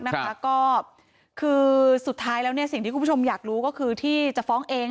ก็คือสุดท้ายแล้วสิ่งที่คุณผู้ชมอยากรู้ก็คือที่จะฟ้องเอง